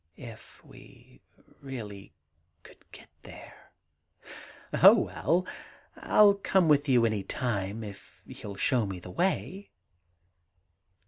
'* If we really could get there 1 '* Oh, well, 1 11 come with you any time if you 11 show me the way.'